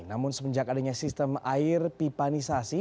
namun semenjak adanya sistem air pipanisasi